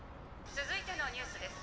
「続いてのニュースです。